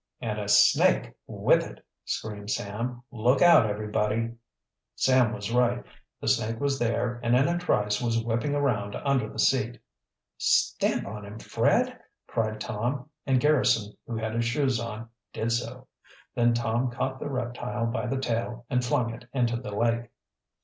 "And a snake with it!" screamed Sam. "Look out, everybody!" Sam was right, the snake was there and in a trice was whipping around under the seat. "Stamp on him, Fred!" cried Tom, and Garrison, who had his shoes on, did so. Then Tom caught the reptile by the tail and flung it into the lake.